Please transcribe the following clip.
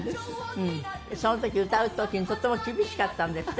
その時歌う時にとっても厳しかったんですって？